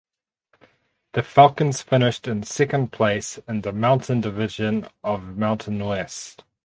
The Falcons finished in second place in the Mountain Division of Mountain West.